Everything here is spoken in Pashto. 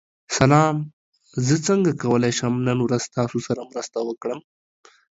سلام، زه څنګه کولی شم نن ورځ ستاسو سره مرسته وکړم؟